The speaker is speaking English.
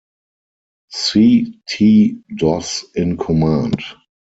C. T. Doss in command.